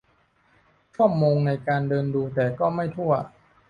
ชั่วโมงในการเดินดูแต่ก็ไม่ทั่ว